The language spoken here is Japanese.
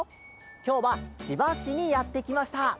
きょうはちばしにやってきました。